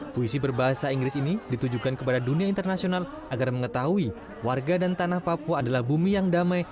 puisi berbahasa inggris ini ditujukan kepada dunia internasional agar mengetahui warga dan tanah papua adalah bumi yang damai